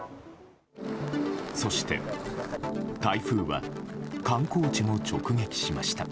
そして台風は観光地も直撃しました。